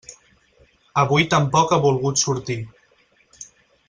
Avui tampoc ha volgut sortir.